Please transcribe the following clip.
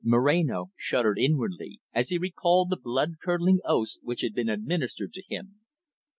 Moreno shuddered inwardly, as he recalled the blood curdling oaths which had been administered to him.